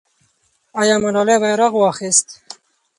آیا ملالۍ بیرغ واخیست؟